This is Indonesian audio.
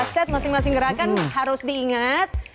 set masing masing gerakan harus diingat